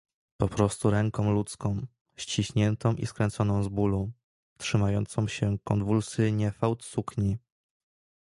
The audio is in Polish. "Poprostu ręką ludzką ściśniętą i skręconą z bólu, trzymającą się konwulsyjnie fałd sukni."